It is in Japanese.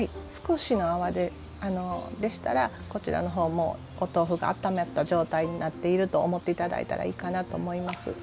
少しの泡でしたらこちらの方もうお豆腐が温まった状態になっていると思って頂いたらいいかなと思います。